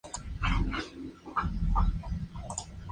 Está localizada en la Ciudad de Fairbanks en el estado de Alaska.